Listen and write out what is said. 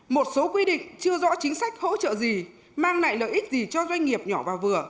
một số quy định chưa rõ chính sách hỗ trợ gì mang lại lợi ích gì cho doanh nghiệp nhỏ và vừa